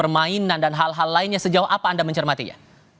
permainan dan hal hal lainnya sejauh apa anda mencermatinya